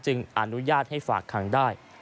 จึงอนุญาตให้ฝากค้างได้